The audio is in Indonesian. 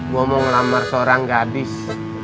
gue mau ngelamar seorang gadis